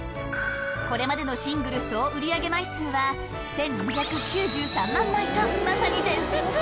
これまでのシングル総売上枚数は１２９３万枚とまさに伝説